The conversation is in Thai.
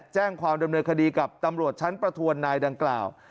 แจ้งความดำเนินคดีกับตำรวจชั้นประทวนนายดังกล่าว